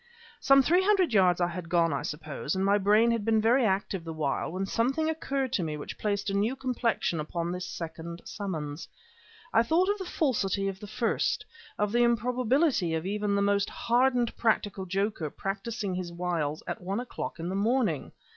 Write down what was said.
Some three hundred yards I had gone, I suppose, and my brain had been very active the while, when something occurred to me which placed a new complexion upon this second summons. I thought of the falsity of the first, of the improbability of even the most hardened practical joker practising his wiles at one o'clock in the morning.